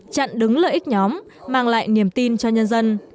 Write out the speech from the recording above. chặn đứng lợi ích nhóm mang lại niềm tin cho nhân dân